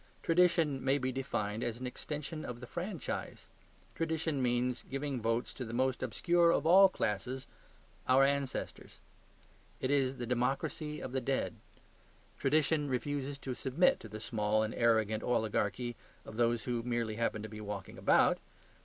Tradition may be defined as an extension of the franchise. Tradition means giving votes to the most obscure of all classes, our ancestors. It is the democracy of the dead. Tradition refuses to submit to the small and arrogant oligarchy of those who merely happen to be walking about.